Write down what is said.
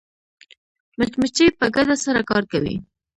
مچمچۍ په ګډه سره کار کوي